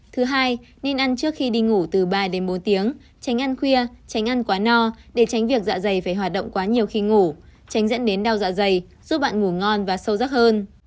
thứ hai nên ăn trước khi đi ngủ từ ba đến bốn tiếng tránh ăn khuya tránh ăn quá no để tránh việc dạ dày phải hoạt động quá nhiều khi ngủ tránh dẫn đến đau dạ dày giúp bạn ngủ ngon và sâu rắc hơn